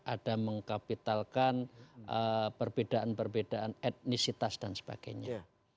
ada mengkapitalkan perbedaan perbedaan etnisitas dan sebagainya